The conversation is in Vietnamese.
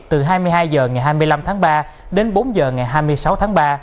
từ hai mươi hai h ngày hai mươi năm tháng ba đến bốn h ngày hai mươi sáu tháng ba